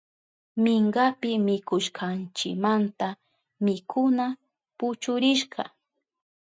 Minkapi mikushkanchimanta mikuna puchurishka.